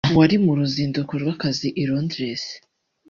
wari mu ruzinduko rw’akazi i Londres